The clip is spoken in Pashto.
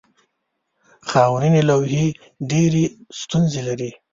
خاورینې لوحې ډېرې ستونزې لري.